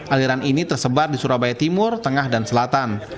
aliran ini tersebar di surabaya timur tengah dan selatan